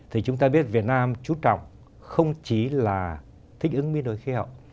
thì chúng ta biết việt nam trú trọng không chỉ là thích ứng biến đổi khí hậu